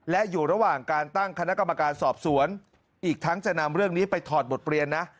และอยู่ระหว่างการตั้งคณะกรรมการสอบสวนอีกทั้งจะนำเรื่องนี้ไปถอดบทเรียนนะ